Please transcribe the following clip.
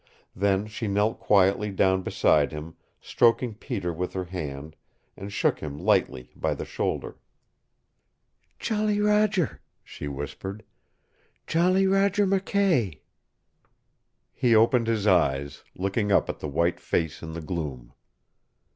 Then she knelt quietly down beside him, stroking Peter with her hand, and shook him lightly by the shoulder. "Jolly Roger!" she whispered. "Jolly Roger McKay!" He opened his eyes, looking up at the white face in the gloom.